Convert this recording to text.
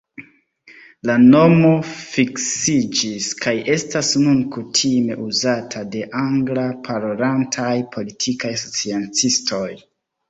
La nomo fiksiĝis kaj estas nun kutime uzata de angla-parolantaj politikaj sciencistoj.